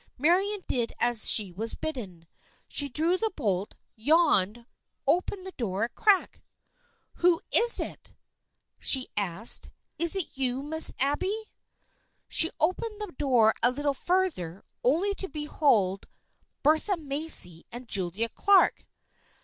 Marian did as she was bidden. She drew the bolt, yawned, opened the door a crack. " Who is it ?" she asked. " Is it you, Miss Abby ?" She opened the door a little further, only to be hold Bertha Macy and Julia Clark.